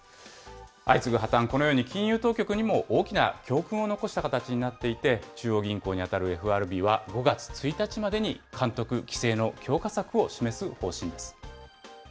相次ぐ破綻、このように金融当局にも大きな教訓を残した形になっていて、中央銀行に当たるＦＲＢは、５月１日までに監督・規制の強化策を示す方針です。